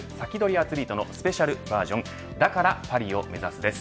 アツリートのスペシャルバージョンだからパリを目指す！です。